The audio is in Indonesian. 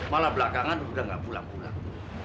malah belakangan udah gak pulang pulang